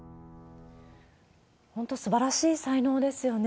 本当、すばらしい才能ですよね。